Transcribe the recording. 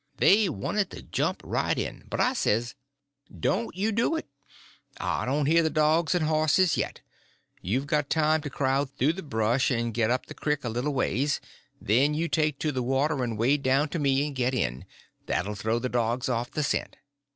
They wanted to jump right in, but I says: "Don't you do it. I don't hear the dogs and horses yet; you've got time to crowd through the brush and get up the crick a little ways; then you take to the water and wade down to me and get in—that'll throw the dogs off the scent."